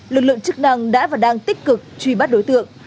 lực lượng chức năng đã và đang tích cực truy bắt đối tượng